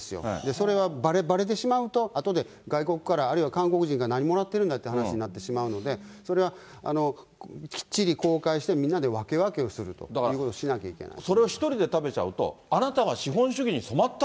それはばれてしまうと、あとで外国から、あるいは韓国人から何もらってるんだって話になってしまうので、それはきっちり公開して、みんなで分け分けをするということをしなきゃいけないと。